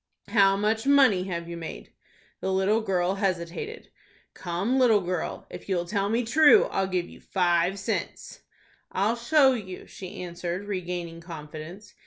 "How much money have you made?" The little girl hesitated. "Come, little girl, if you'll tell me true, I'll give you five cents." "I'll show you," she answered, regaining confidence.